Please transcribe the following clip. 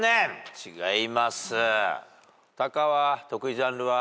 違います。